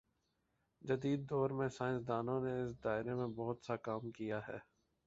جدیددور میں سائنس دانوں نے اس دائرے میں بہت سا کام کیا ہے